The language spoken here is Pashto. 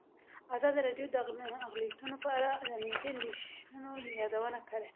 ازادي راډیو د اقلیتونه په اړه د امنیتي اندېښنو یادونه کړې.